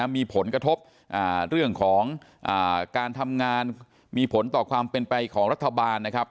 มีผลกระทบเรื่องของการทำงานมีผลต่อความเป็นไปของรัฐบาลนะครับ